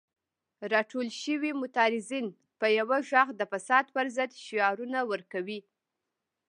راټول شوي معترضین په یو غږ د فساد پر ضد شعارونه ورکوي.